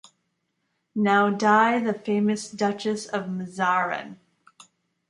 Now died the famous Duchess of Mazarin.